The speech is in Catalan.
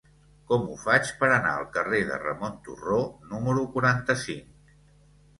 Com ho faig per anar al carrer de Ramon Turró número quaranta-cinc?